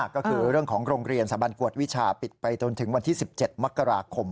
ก็คือเรื่องของโรงเรียนสบันกวดวิชาปิดไปจนถึงวันที่๑๗มกราคม